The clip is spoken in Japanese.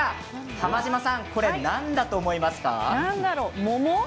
浜島さん何だと思いますか。